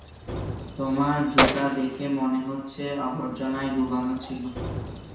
তোমার জুতা দেখে মনে হচ্ছে আবর্জনায় ডুবানো ছিল!